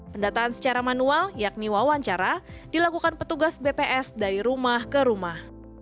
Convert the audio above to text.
pendataan secara manual yakni wawancara dilakukan petugas bps dari rumah ke rumah